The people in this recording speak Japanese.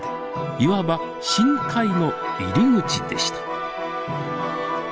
いわば深海の入り口でした。